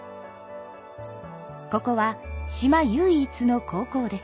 ここは島唯一の高校です。